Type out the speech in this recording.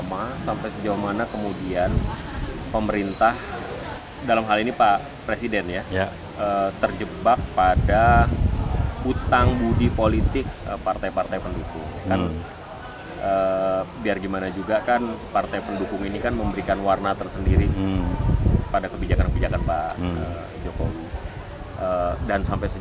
maka akan terjadi presentation yang berbeda di dunia ini